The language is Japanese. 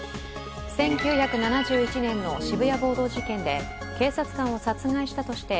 １９７１年の渋谷暴動事件で警察官を殺害したとして